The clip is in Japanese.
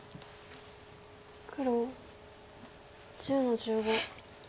黒１０の十五。